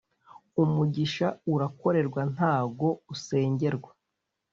Umugisha urakorerwa ntago usengerwa